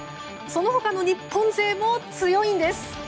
その他の日本勢も強いんです。